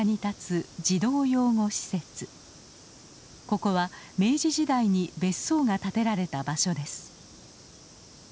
ここは明治時代に別荘が建てられた場所です。